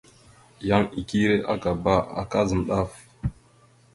Yan ikire agaba, aka zam daf.